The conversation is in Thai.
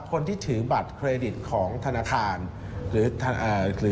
คนที่ถือบัตรเครดิตของธนาคาร